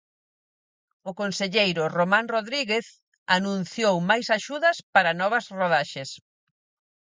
O conselleiro Román Rodríguez anunciou máis axudas para novas rodaxes.